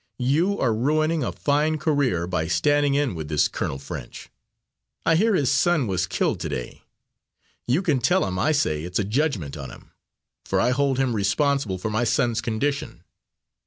You are ruining a fine career by standing in with this Colonel French. I hear his son was killed to day. You can tell him I say it's a judgment on him; for I hold him responsible for my son's condition.